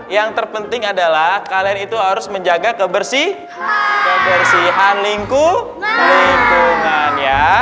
yang terpenting adalah kalian itu harus menjaga kebersihan lingkungan ya